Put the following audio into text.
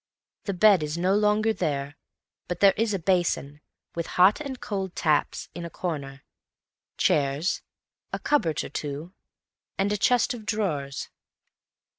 The bed is no longer there, but there is a basin, with hot and cold taps, in a corner; chairs; a cupboard or two, and a chest of drawers.